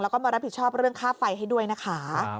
แล้วก็มารับผิดชอบเรื่องค่าไฟให้ด้วยนะคะ